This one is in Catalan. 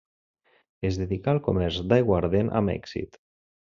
Es dedicà al comerç d'aiguardent amb èxit.